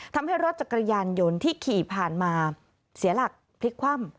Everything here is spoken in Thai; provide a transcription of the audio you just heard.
ทำให้รถจักรยานยนต์ที่ขี่ผ่านมาเสียหลักพลิกคว่ำ